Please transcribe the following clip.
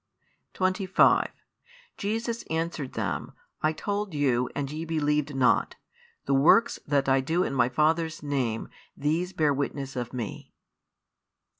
25 Jesus answered them, I told you, and ye believe not: the works that I do in My Fathers name, these bear witness of Me.